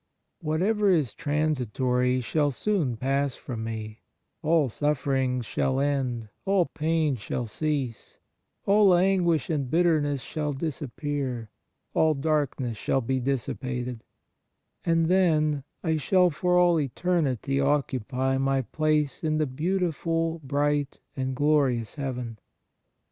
Whatever is transitory shall soon pass from me, all sufferings shall end, all pain shall cease, all anguish and bitterness shall disap pear, all darkness shall be dissipated, and then I shall for all eternity occupy my place in the beau tiful, bright and glorious Heaven.